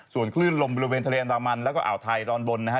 ส่วนคลื่นลมบริเวณทะเลอันดามันแล้วก็อ่าวไทยดอนบนนะฮะ